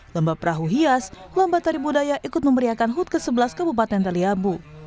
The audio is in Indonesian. lembah perahu hias lembah tari budaya ikut memberiakan hud ke sebelas kabupaten taliabu